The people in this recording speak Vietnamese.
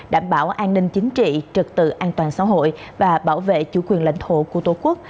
đảm bảo an ninh chính trị trực tự an toàn xã hội và bảo vệ chủ quyền lãnh thổ của tổ quốc